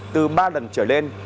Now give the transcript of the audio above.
từ ba lần trở lên